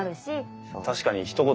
確かにひと言